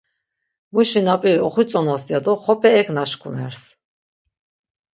Muşi nap̌iri oxitzonas ya do xop̆e ek naşkvumers.